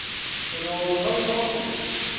Pero sabes unha cousa?